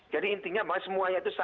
jadi intinya semuanya itu sama